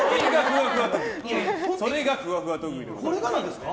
それがふわふわ特技です。